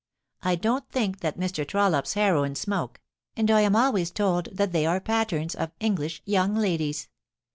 I don't think that Mr. Trollope's heroines smoke, and I am always told that they are patterns of English young ladies.